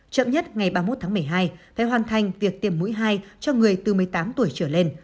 chậm nhất ngày ba mươi một tháng một mươi hai phải hoàn thành việc tiêm mũi hai cho người từ một mươi tám tuổi trở lên